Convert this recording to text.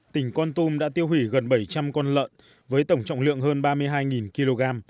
tỉnh con tum đã tiêu hủy gần bảy trăm linh con lợn với tổng trọng lượng hơn ba mươi hai kg